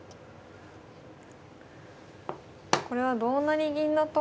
これは同成銀だと。